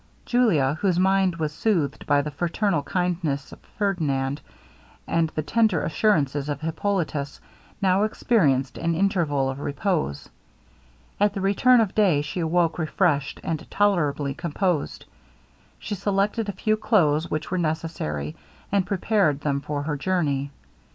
Julia, whose mind was soothed by the fraternal kindness of Ferdinand, and the tender assurances of Hippolitus, now experienced an interval of repose. At the return of day she awoke refreshed, and tolerably composed. She selected a few clothes which were necessary, and prepared them for her journey.